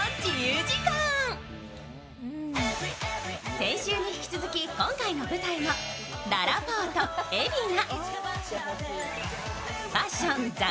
先週に引き続き今回の舞台もららぽーと海老名。